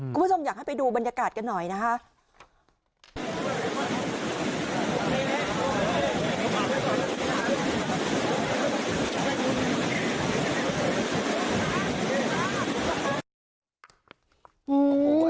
คุณผู้ชมอยากให้ไปดูบรรยากาศกันหน่อยนะคะ